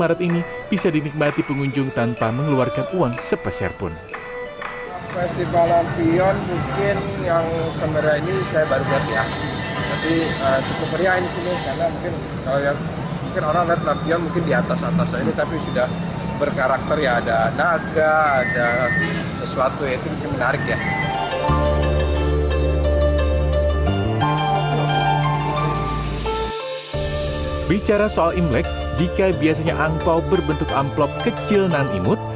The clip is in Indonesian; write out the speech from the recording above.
lampion ini menyebabkan penyakit